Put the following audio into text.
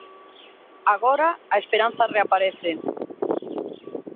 Agora, a esperanza reaparece.